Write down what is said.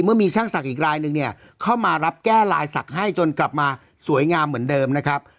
เมื่อมีช่างศักดิ์อีกรายนึงเนี่ยเข้ามารับแก้ลายศักดิ์ให้จนกลับมาสวยงามเหมือนเดิมนะครับ